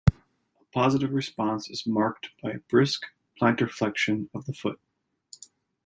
A positive response is marked by a brisk plantarflexion of the foot.